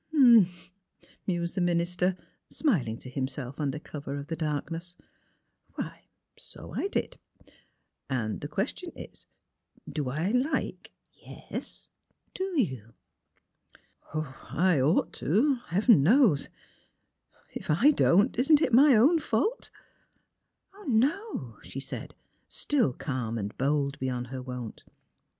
*' H'm," mused the minister, smiling to himself under cover of the darkness ;'' why, so I did. And the question is, do I like "'' Yes; do you? " A SPOT WHERE SPIRITS BLEND " 35 i I 1 ought to, Heaven knows! If I don't, isn't it my own fanlt? "" No," she said, still calm and bold beyond Her wont.